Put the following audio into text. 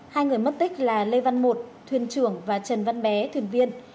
hai người mất tích là lê văn một thuyền trưởng và trần văn bé thuyền viên